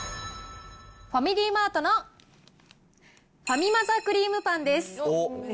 ファミリーマートのファミマ・ザ・クリームパンです。